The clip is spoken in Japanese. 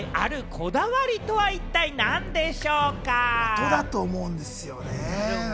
音だと思うんですよね。